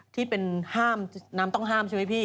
ที่เป็นห้ามน้ำต้องห้ามใช่ไหมพี่